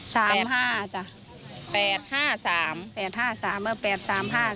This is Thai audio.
จู๊บถูแม่ขนาดใหญ่เลยแล้วมึงผมเห็นเลขอะไร